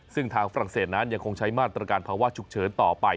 ซึ่งทางฝรั่งเศสนั้นยังคงใช้มาตรการภาวะฉุกเฉินต่อไป